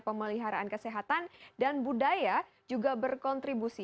pemeliharaan kesehatan dan budaya juga berkontribusi